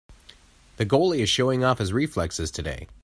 The goalie is showing off his reflexes today.